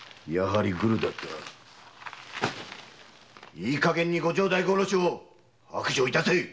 いいかげんにご城代殺しを白状致せ！